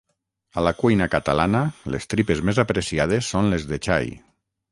A la cuina catalana les tripes més apreciades són les de xai.